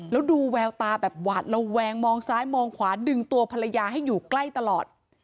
แล้วดูแววตาแบบหวาดระแวงมองซ้ายมองขวาดึงตัวภรรยาให้อยู่ใกล้ตลอด